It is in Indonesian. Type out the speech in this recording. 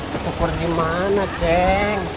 ke tuker dimana ceng